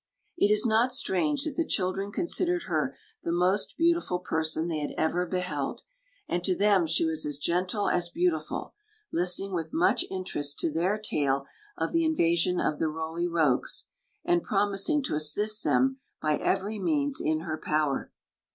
It is not strange that the children considered her the most beautiful person they had ever beheld ; and to them she was as gentle as beautiful, listening with much interest to their tale of the invasion of the Roly Rogues, and promising to assist them by every means in her power.